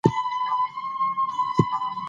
افغانستان په اوښ باندې تکیه لري.